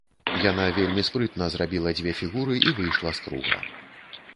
Яна вельмі спрытна зрабіла дзве фігуры і выйшла з круга.